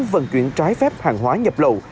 vận chuyển trái phép hàng hóa nhập lậu